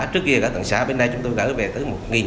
trước kia là tầng xã bên đây chúng tôi gỡ về tới một